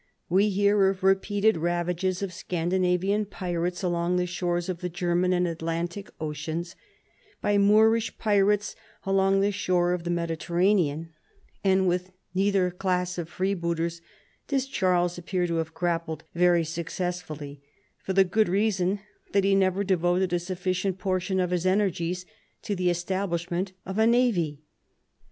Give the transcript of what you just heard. We hear of repeated ravages by Scandinavian pirates along the shores of the German and Atlantic oceans : by Moorish pirates along the shore of the Mediterranean: and with neither class of freebooters does Charles appear to have grappled very success fully, for the good reason that he never devoted a sufficient portion of his energies to the establishment of a navy.